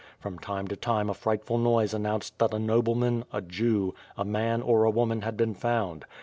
From time to time a frightful noise announced that a nobleman, a Jew, a man, or a woman had been found.